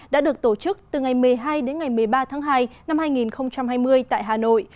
đã được tổ chức từ ngày một mươi hai đến ngày một mươi ba tháng hai năm hai nghìn hai mươi tại hà nội